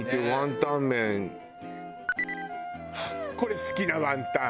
あっこれ好きなワンタン！